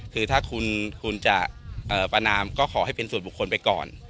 คือถ้าคุณจะประนามก็ขอให้เป็นส่วนบุคคลไปก่อน